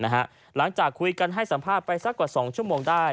หลังจากคุยกันให้สัมภาษณ์ไปสักกว่า๒ชั่วโมงได้